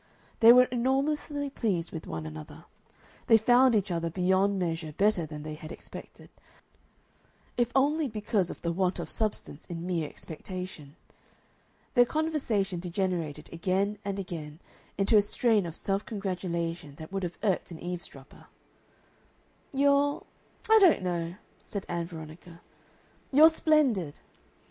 They were enormously pleased with one another; they found each other beyond measure better than they had expected, if only because of the want of substance in mere expectation. Their conversation degenerated again and again into a strain of self congratulation that would have irked an eavesdropper. "You're I don't know," said Ann Veronica. "You're splendid."